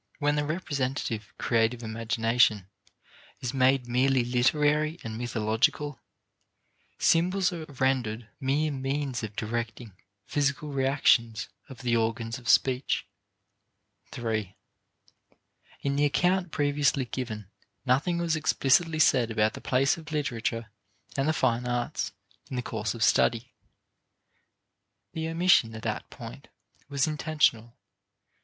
When the representative creative imagination is made merely literary and mythological, symbols are rendered mere means of directing physical reactions of the organs of speech. 3. In the account previously given nothing was explicitly said about the place of literature and the fine arts in the course of study. The omission at that point was intentional.